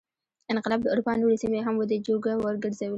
انقلاب د اروپا نورې سیمې هم ودې جوګه وګرځولې.